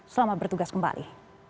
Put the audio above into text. selamat bertugas kembali